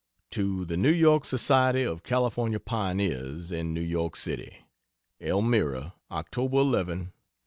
To the New York Society of California Pioneers, in New York City: ELMIRA, October 11, 1869.